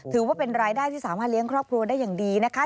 ถือว่าเป็นรายได้ที่สามารถเลี้ยงครอบครัวได้อย่างดีนะคะ